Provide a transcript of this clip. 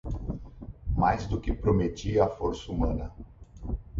Mais do que prometia a força humana